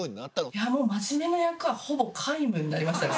いやもう真面目な役はほぼ皆無になりましたね